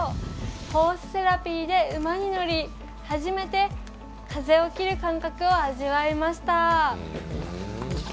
ホースセラピーで馬に乗り初めて風を切る感覚を味わいました。